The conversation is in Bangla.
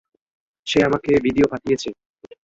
সে আমাকে ভিডিও পাঠিয়েছে!